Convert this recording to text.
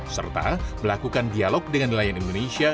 serta melakukan dialog dengan nelayan indonesia